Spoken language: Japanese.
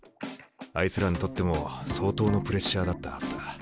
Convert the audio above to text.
あいつらにとっても相当のプレッシャーだったはずだ。